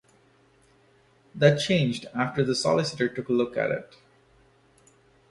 That changed after the solicitor took a look at it.